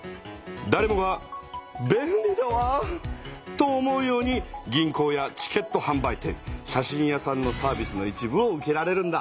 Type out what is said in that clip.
だれもが「便利だわ」と思うように銀行やチケットはん売店写真屋さんのサービスの一部を受けられるんだ。